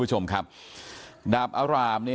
เพราะไม่เคยถามลูกสาวนะว่าไปทำธุรกิจแบบไหนอะไรยังไง